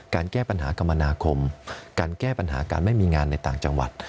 แก้ปัญหากรรมนาคมการแก้ปัญหาการไม่มีงานในต่างจังหวัด